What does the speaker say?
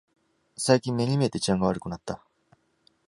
最近目に見えて治安が悪くなった